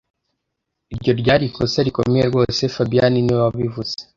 Iri ryari ikosa rikomeye rwose fabien niwe wabivuze